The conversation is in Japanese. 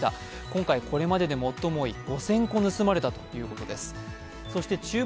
今回、これまでで最も多い５０００個盗まれたということです。